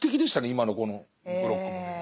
今のこのブロックもね。